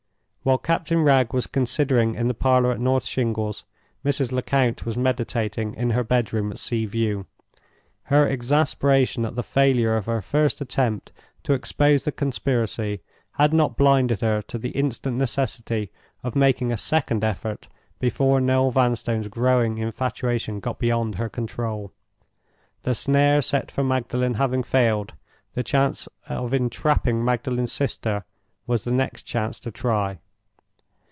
While Captain Wragge was considering in the parlor at North Shingles, Mrs. Lecount was meditating in her bedroom at Sea View. Her exasperation at the failure of her first attempt to expose the conspiracy had not blinded her to the instant necessity of making a second effort before Noel Vanstone's growing infatuation got beyond her control. The snare set for Magdalen having failed, the chance of entrapping Magdalen's sister was the next chance to try.